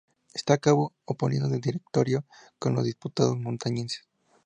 Esto acabo oponiendo al directorio con los diputados montañeses.